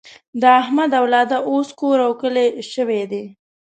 د احمد اولاده اوس کور او کلی شوې ده.